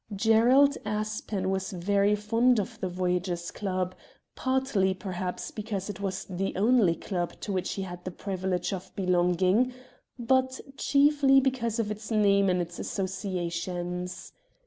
Gerald Aspen was very fond of the Voyagers' Club, partly perhaps because it was the only club to which he had the privi lege of belonging, but chiefly because of its name and its associations.